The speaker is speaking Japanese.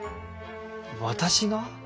私が？